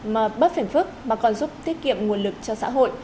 mà bớt phiền phức mà còn giúp tiết kiệm nguồn lực cho xã hội